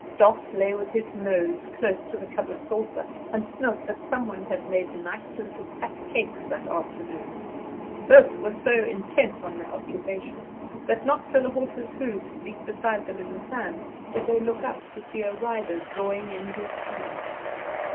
Doss lay with his nose close to the covered saucer, and smelt that some one had made nice little fat cakes that afternoon. Both were so intent on their occupation that not till a horse's hoofs beat beside them in the sand did they look up to see a rider drawing in his steed.